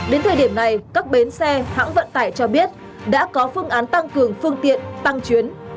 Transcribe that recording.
đến thời điểm này các bến xe hãng vận tải cho biết đã có phương án tăng cường phương tiện tăng chuyến